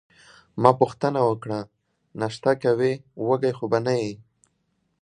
ما پوښتنه وکړه: ناشته کوې، وږې خو به نه یې؟